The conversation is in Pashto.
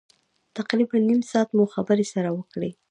تقریبا نیم ساعت مو خبرې سره وکړې.